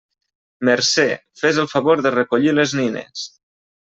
Mercè, fes el favor de recollir les nines!